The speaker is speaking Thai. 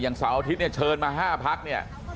เสาร์อาทิตย์เนี่ยเชิญมา๕พักเนี่ย